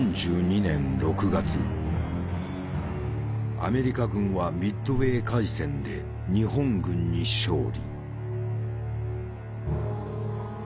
アメリカ軍はミッドウェー海戦で日本軍に勝利。